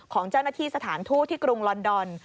ของเจ้าหน้าที่สถานทูตที่กรุงลอนดอน